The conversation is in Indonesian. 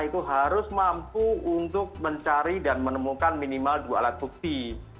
itu harus mampu untuk mencari dan menemukan minimal dua alat bukti